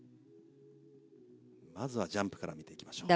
まずはジャンプから見ていきましょう。